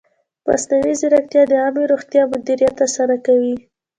مصنوعي ځیرکتیا د عامې روغتیا مدیریت اسانه کوي.